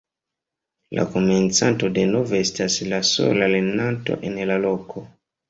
La komencanto denove estas la sola lernanto en la loko.